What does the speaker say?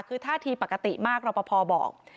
คือท่าทีปกติมากรอปภบอก